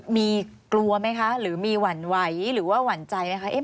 มีกลัวไหมคะหรือมีหวั่นไหวหรือว่าหวั่นใจไหมคะ